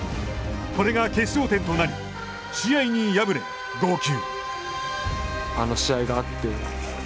これが決勝点となり試合に敗れ、号泣。